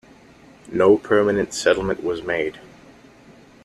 No permanent settlement was made.